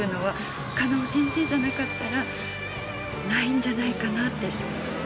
んじゃないかなって。